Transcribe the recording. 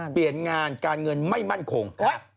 เปลี่ยนงานการเงินไม่มั่นคง